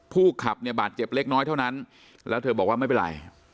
ผู้ขับเนี่ยบาดเจ็บเล็กน้อยเท่านั้นแล้วเธอบอกว่าไม่เป็นไร